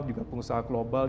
juga pengusaha global